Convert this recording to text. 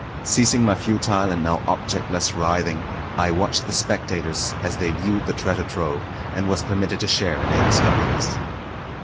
Ceasing my futile and now objectless writhing, I watched the spectators as they viewed the treasure trove, and was permitted to share in their discoveries.